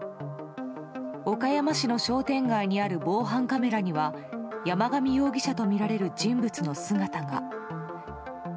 岡山市の商店街にある防犯カメラには山上容疑者とみられる人物の姿が。